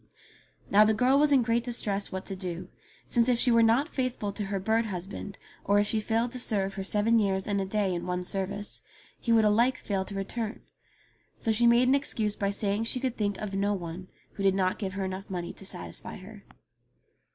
Now the girl was in great distress what to do, since if she were not faithful to her bird husband or if she failed to serve her seven years and a day in one service, he would alike fail to return ; so she made an excuse by saying she could think of no one, who did not give her enough money to satisfy her.